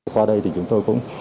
qua đây thì chúng tôi cũng